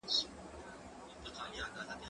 دا سندري له هغه خوږه ده،